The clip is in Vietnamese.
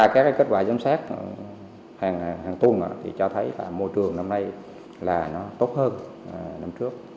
các kết quả giám sát hàng tuần cho thấy môi trường năm nay là nó tốt hơn năm trước